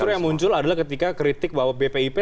justru yang muncul adalah ketika kritik bahwa bpip